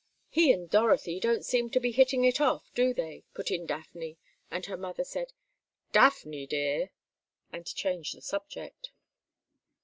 "He and Dorothy don't seem to be hitting it off, do they," put in Daphne, and her mother said, "Daphne, dear," and changed the subject.